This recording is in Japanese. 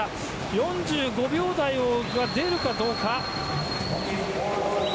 ４５秒台が出るかどうか。